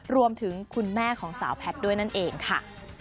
รวมถึงคุณแม่ของสาวแพทด้วยนั่นเองค่ะ